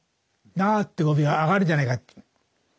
「なあ」って語尾が上がるじゃないかと。